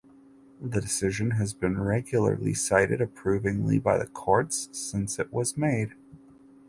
The decision has been regularly cited approvingly by the courts since it was made.